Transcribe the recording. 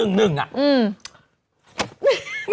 อืม